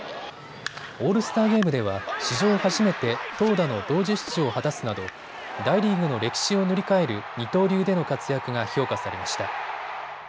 オールスターゲームでは史上初めて投打の同時出場を果たすなど大リーグの歴史を塗り替える二刀流での活躍が評価されました。